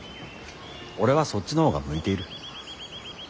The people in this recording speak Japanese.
俺はそっちの方が向いている。